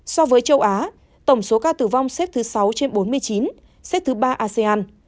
so với châu á tổng số ca tử vong xếp thứ sáu trên bốn mươi chín xếp thứ ba asean